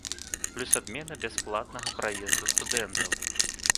Плюс адмена бясплатнага праезду студэнтаў.